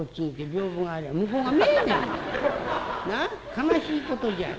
悲しいことじゃないか。